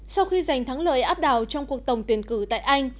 sau khi giành thắng lợi áp đảo trong cuộc tổng tuyển cử tại anh